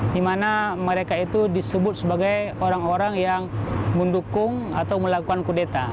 di mana mereka itu disebut sebagai orang orang yang mendukung atau melakukan kudeta